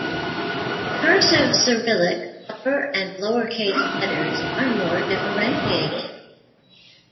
Cursive Cyrillic upper and lower case letters are more differentiated.